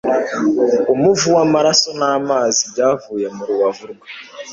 umuvu w'amaraso n'amazi byavuye mu rubavu rwe